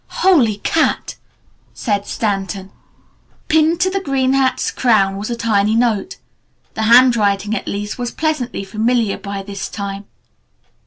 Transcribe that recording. "Holy Cat!" said Stanton. Pinned to the green hat's crown was a tiny note. The handwriting at least was pleasantly familiar by this time.